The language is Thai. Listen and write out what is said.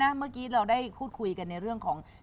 เมื่อกี้เราได้พูดคุยกันในเรื่องของ